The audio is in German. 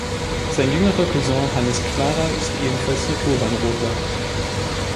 Sein jüngerer Cousin Hannes Clara ist ebenfalls Naturbahnrodler.